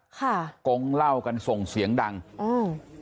ค่ะโกงเหล้ากันส่งเสียงดังอืม